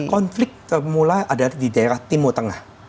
konflik termula ada di daerah timur tengah